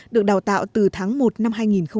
được đào tạo từ tháng một năm hai nghìn một mươi chín